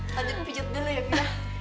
lanjut pijut dulu ya pi